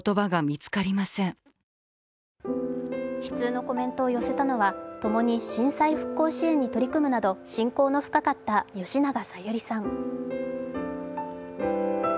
悲痛のコメントを寄せたのはともに震災復興支援に取り組むなど親交の深かった吉永小百合さん。